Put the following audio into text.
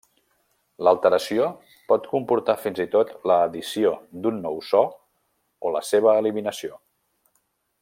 L'alteració pot comportar fins i tot l'addició d'un nou so o la seva eliminació.